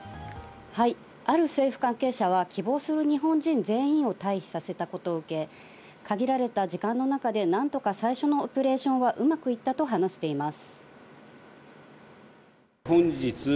ある政府関係者は、希望する日本人全員を退避させたことを受け、限られた時間の中で何とか最初のオペレーションはうまくいったと話しています。